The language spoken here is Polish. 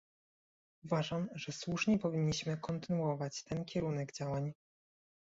Uważam, że słusznie powinniśmy kontynuować ten kierunek działań